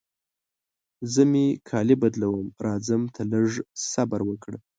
زه مې کالي بدلوم، راځم ته لږ صبر وکړه.